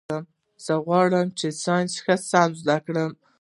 زه غواړم چي ساینس ښه سم زده کړم.